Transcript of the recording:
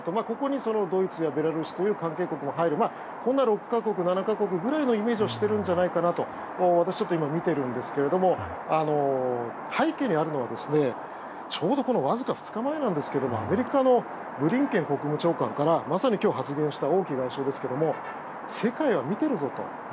ここにドイツやベラルーシという関係国も入りこんな６か国、７か国ぐらいのイメージをしているんじゃないかと私は見ているんですけど背景にあるのはちょうどわずか２日前ですがアメリカのブリンケン国務長官からまさに今日発言した王毅外相ですけど世界は見ているぞと。